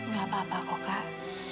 gak apa apa kok kak